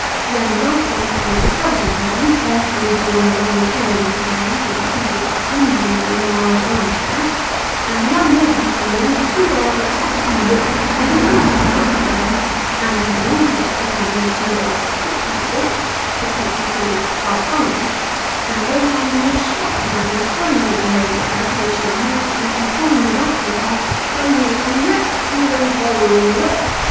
Then the rightful heir is discovered in prison, carefully holding a long chain in his hands, and seated despondingly in a large arm chair ; and the young lady comes in to two bars of soft music, and embraces the rightful heir ; and then the wrongful heir comes in to two bars of quick music (technically called " a hurry "), and goes on in the most shocking manner, throwing the young lady about as if she was nobody, and calling the rightful heir " Ar recreant ar wretch